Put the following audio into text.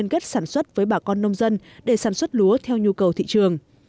kết sản xuất với bà con nông dân để sản xuất lúa theo nhu cầu thị trường